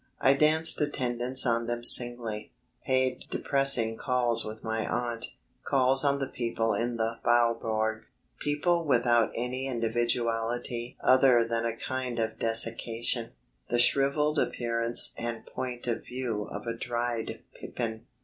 I danced attendance on them singly; paid depressing calls with my aunt; calls on the people in the Faubourg; people without any individuality other than a kind of desiccation, the shrivelled appearance and point of view of a dried pippin.